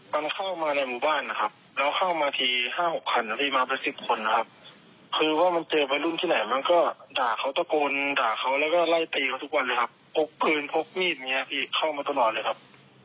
มันเข้ามาในหมู่บ้านนะครับแล้วเข้ามาที๕๖คันนะพี่มาเป็นสิบคนนะครับคือว่ามันเจอวัยรุ่นที่ไหนมันก็ด่าเขาตะโกนด่าเขาแล้วก็ไล่ตีเขาทุกวันเลยครับพกปืนพกมีดอย่างนี้พี่เข้ามาตลอดเลยครับ